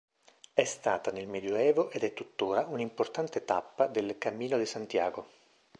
È stata nel medioevo ed è tuttora un'importante tappa del "Camino de Santiago".